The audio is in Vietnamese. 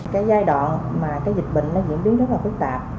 cái giai đoạn mà cái dịch bệnh nó diễn biến rất là phức tạp